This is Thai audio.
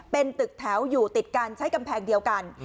เป็นตึกแถวอยู่ติดกันใช้กำแพงเดียวกัน